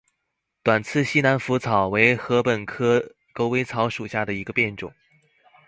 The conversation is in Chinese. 短刺西南莩草为禾本科狗尾草属下的一个变种。